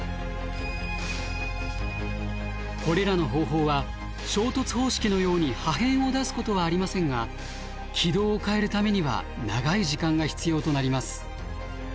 これらの方法は衝突方式のように破片を出すことはありませんが軌道を変えるためには長い時間が必要となります。